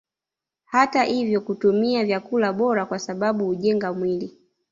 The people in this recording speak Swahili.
Hata ivyo kutumia vyakula bora kwasababu ujenga mwili